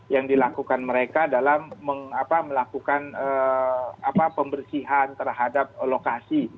yang dilakukan mereka dalam melakukan pembersihan terhadap lokasi